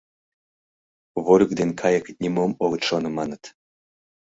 — Вольык ден кайык нимом огыт шоно, маныт.